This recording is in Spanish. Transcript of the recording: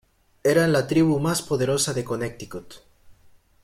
Eran la tribu más poderosa de Connecticut.